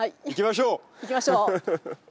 行きましょう！